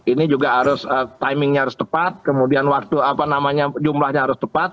ini juga timenya harus tepat kemudian jumlahnya harus tepat